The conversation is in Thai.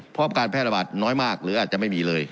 เพราะการแพร่ระบาดน้อยมากหรืออาจจะไม่มีเลย